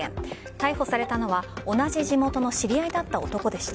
逮捕されたのは同じ地元の知り合いだった男でした。